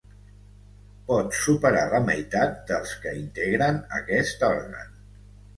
Pot superar la meitat dels que integren aquest òrgan.